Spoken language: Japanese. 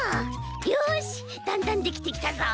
よしだんだんできてきたぞ！